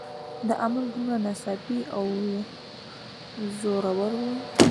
دا عمل دومره ناڅاپي او زوراور وي